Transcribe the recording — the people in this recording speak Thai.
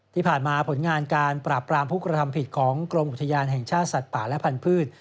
ที่ผ่านมาผลงานการปราบปรามผู้กระทำผิดของกรมอุทยานแห่งชาติสัตว์ป่าและพันธุ์